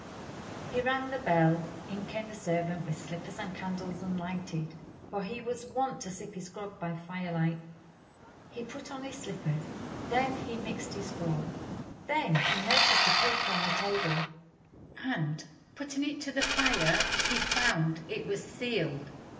He rang the bell. In came the servant with slippers and candles unlighted, for he was wont to sip his grog by fire light. He put on his slippers. Then he mixed his grog. Then he noticed a paper on the table, and putting it to the fire he found it was sealed.